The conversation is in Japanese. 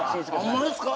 ホンマですか？